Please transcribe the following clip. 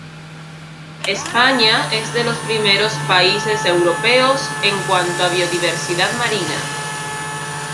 España es de los primeros países europeos en cuanto a biodiversidad marina.